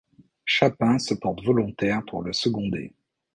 Chapin se porte volontaire pour le seconder.